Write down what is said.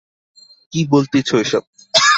কি বলতেছো এসব।